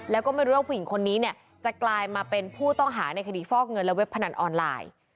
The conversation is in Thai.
แล้วก็ไม่รู้ว่าผู้หญิงคนนี้เนี่ยจะกลายมาเป็นผู้ต้องหาในคดีฟอกเงินและเว็บพนันออนไลน์